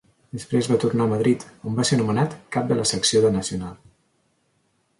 Després va tornar a Madrid, on va ser nomenat cap de la secció de Nacional.